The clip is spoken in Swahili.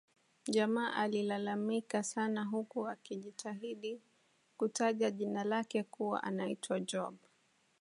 Jamaa alilalamika sana huku akijitahidi kutaja jina lake kuwa anaitwa Job